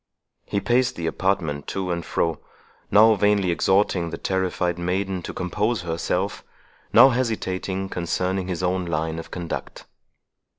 He paced the apartment to and fro, now vainly exhorting the terrified maiden to compose herself, now hesitating concerning his own line of conduct.